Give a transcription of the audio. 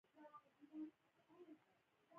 خو له ټولو هڅو سره سره بریالي نه شول